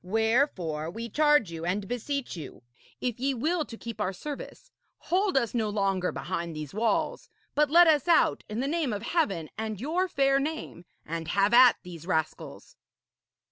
Wherefore, we charge you and beseech you, if ye will to keep our service, hold us no longer behind these walls, but let us out, in the name of Heaven and your fair name, and have at these rascals.'